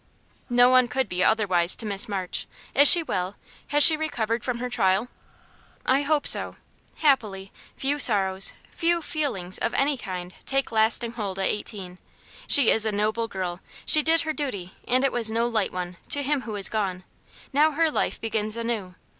"No one could be otherwise to Miss March. Is she well? Has she recovered from her trial?" "I hope so. Happily, few sorrows, few feelings of any kind, take lasting hold at eighteen. She is a noble girl. She did her duty, and it was no light one, to him who is gone; now her life begins anew.